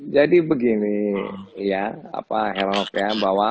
jadi begini ya apa herok ya bahwa